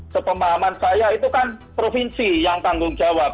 sepemahaman saya itu kan provinsi yang tanggung jawab